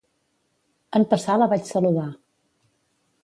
En passar la vaig saludar.